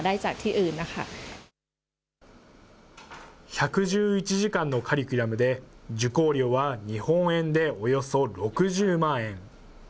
１１１時間のカリキュラムで、受講料は日本円でおよそ６０万円。